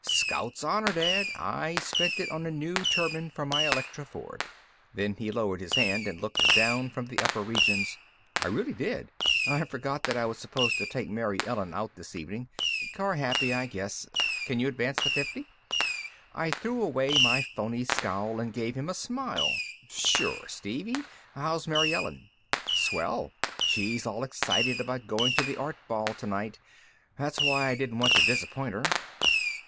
"Scout's Honor, Dad, I spent it on a new turbine for my ElectroFord." Then he lowered his hand and looked down from the upper regions. "I really did. I forgot that I was supposed to take Mary Ellen out this evening. Car happy, I guess. Can you advance the fifty?" I threw away my phony scowl and gave him a smile. "Sure, Stevie. How's Mary Ellen?" "Swell. She's all excited about going to the Art Ball tonight that's why I didn't want to disappoint her."